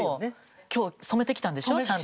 今日染めてきたんでしょちゃんと。